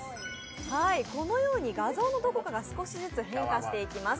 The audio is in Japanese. このように画像のどこかが少しずつ変化していきます。